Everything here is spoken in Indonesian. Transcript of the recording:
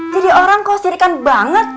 jadi orang kau sirikan banget